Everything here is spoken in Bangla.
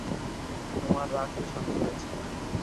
তোমার রাগ তো শান্ত হয়েছে, না?